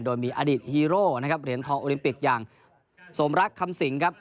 โดยมีอดีตฮีโร่นะครับเหรียญทองโอลิมปิกอย่างสมรักคำสิงครับ